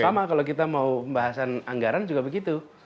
sama kalau kita mau bahasan anggaran juga begitu